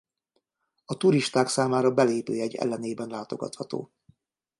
A turisták számára belépőjegy ellenében látogatható.